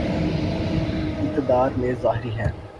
اقتدار میں ظاہر ہے۔